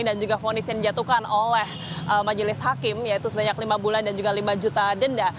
dan juga fonis yang dijatuhkan oleh majelis hakim yaitu sebanyak lima bulan dan juga lima juta denda